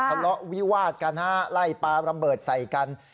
ทะเลาะวิวาดกันฮะไล่ปลาระเบิดใส่กัน